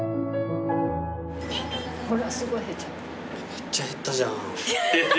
めっちゃ減ったじゃん。